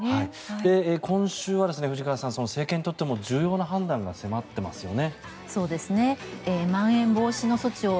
今週は藤川さん政権にとっても重要な判断が迫っていますよね。